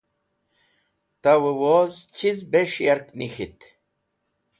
Tawẽ woz chiz bes̃h yark nik̃ht?